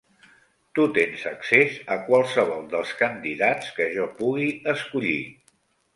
Tu tens accés a qualsevol dels candidats que jo pugui escollir.